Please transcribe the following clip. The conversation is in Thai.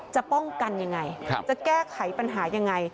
จะป้องกันยังไงจะแก้ไขปัญหายังไง